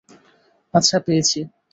আচ্ছা, পেয়েছি।